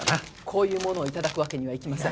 こういうものを頂くわけにはいきません。